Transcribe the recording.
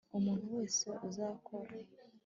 umuntu wese uzakora